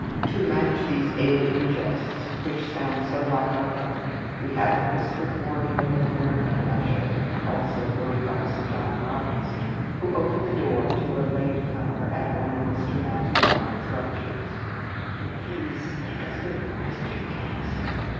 To match these alien jests, which sound so like our own, we have the whispered warning of an American usher (also quoted by Sir John Robinson) who opened the door to a late comer at one of Mr. Matthew Arnold's lectures: "Will you please make as little noise as you can, sir.